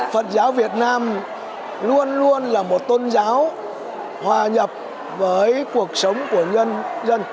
phật giáo việt nam luôn luôn là một tôn giáo hòa nhập với cuộc sống của nhân dân